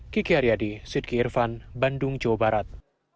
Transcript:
kiki aryadi sidki irfan bandung jawa barat